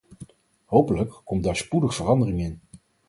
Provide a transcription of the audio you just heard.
Hopelijk komt daar spoedig verandering in.